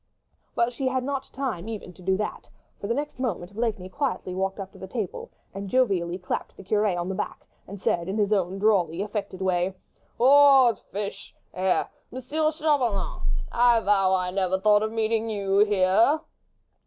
But she had not time even to do that, for the next moment Blakeney quietly walked to the table, and, jovially clapping the curé on the back, said in his own drawly, affected way,— "Odd's fish! ... er ... M. Chauvelin. ... I vow I never thought of meeting you here."